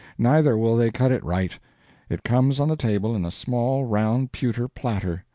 Neither will they cut it right. It comes on the table in a small, round pewter platter.